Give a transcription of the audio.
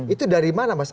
itu dari mana mas